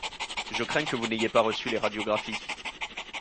Je crains que vous n'ayez pas reçu les radiographies.